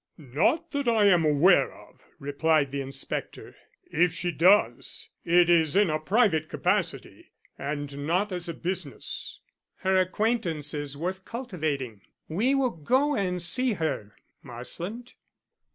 "Not that I am aware of," replied the inspector. "If she does, it is in a private capacity, and not as a business." "Her acquaintance is worth cultivating. We will go and see her, Marsland."